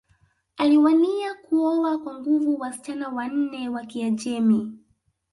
Aliwania kuoa kwa nguvu wasichana wanne wa Kiajemi